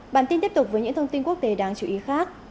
bản tin tiếp tục với những thông tin quốc tế đáng chú ý khác